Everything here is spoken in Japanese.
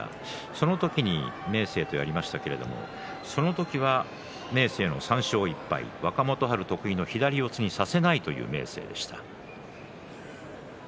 その時に明生とやりましたがその時は明生３勝１敗若元春得意の左四つにさせないという明生でした。